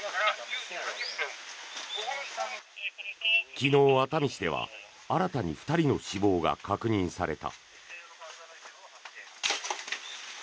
昨日、熱海市では新たに２人の死亡が確認された。